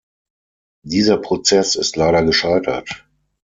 Dieser Prozess ist leider gescheitert.